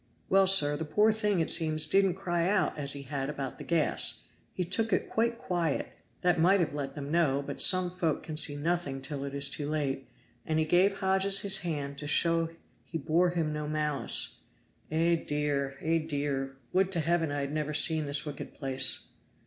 "Well, sir, the poor thing it seems didn't cry out as he had about the gas, he took it quite quiet that might have let them know, but some folk can see nothing till it is too late and he gave Hodges his hand to show he bore him no malice. Eh dear! eh dear! Would to Heaven I had never seen this wicked place!"